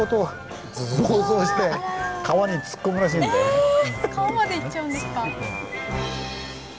川まで行っちゃうんですか。